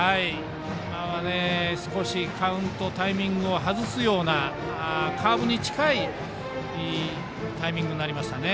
今は少しカウントタイミングを外すようなカーブに近いタイミングになりました。